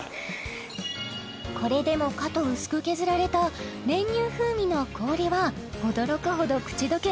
これでもかと薄く削られた練乳風味の氷は驚くほど口溶け